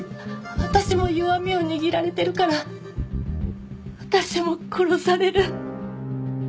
私も弱みを握られてるから私も殺される！